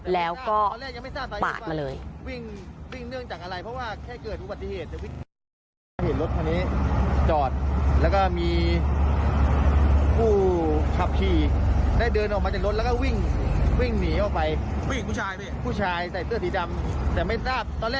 แล้วก็ปาดมาเลย